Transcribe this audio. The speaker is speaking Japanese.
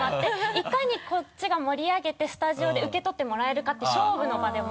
いかにこっちが盛り上げてスタジオで受け取ってもらえるかって勝負の場でも。